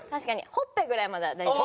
ほっぺぐらいまでは大丈夫。